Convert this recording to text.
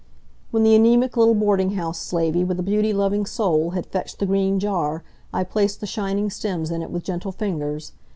When the anemic little boarding house slavey with the beauty loving soul had fetched the green jar, I placed the shining stems in it with gentle fingers.